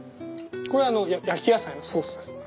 これ焼き野菜のソースですね。